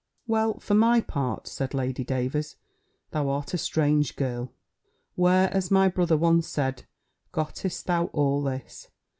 "Well, for my part," said Lady Davers, "thou art a strange girl: where, as my brother once said, gottest thou all this?"